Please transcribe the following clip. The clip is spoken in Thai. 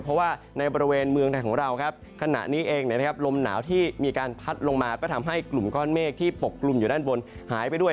เพราะว่าในบริเวณเมืองไทยของเราครับขณะนี้เองลมหนาวที่มีการพัดลงมาก็ทำให้กลุ่มก้อนเมฆที่ปกกลุ่มอยู่ด้านบนหายไปด้วย